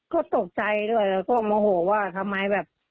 ก็ตกใจด้วยแล้วก็โมโหว่าทำไมแบบ